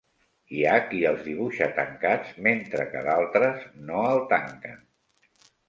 Hi ha qui els dibuixa tancats mentre que d'altres no el tanquen.